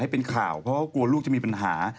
เป็นข่าวเพราะว่ากลัวลูกจะมีปัญหา